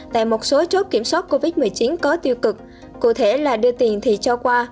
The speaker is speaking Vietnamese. tại một số chốt kiểm soát covid một mươi chín có tiêu cực cụ thể là đưa tiền thì cho qua